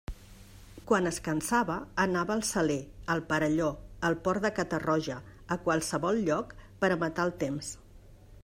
Quan es cansava, anava al Saler, al Perelló, al port de Catarroja, a qualsevol lloc, per a matar el temps.